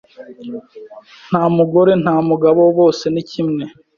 nta mugore nta mugabo bose nikimwe